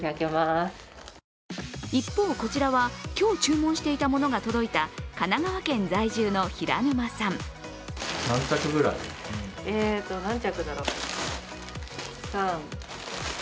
一方、こちらは今日、注文していたものが届いた神奈川県在住の平沼さん。